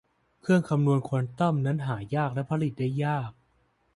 เครื่องคำนวณควอนตัมทั้งนั้นหายากและผลิตได้ยาก